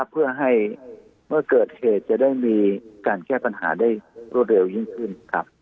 เพื่อให้เมื่อเกิดเหตุจะได้มีการแก้ปัญหาได้รวดเร็วยิ่งขึ้น